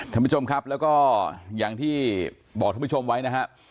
คุณผู้ชมครับแล้วก็อย่างที่บอกทุกผู้ชมไว้นะครับ